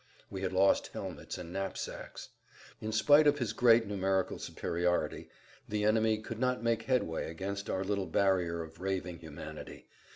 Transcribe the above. We had lost helmets and knapsacks. In spite of his great numerical superiority the enemy could not make headway against our little barrier of raving humanity.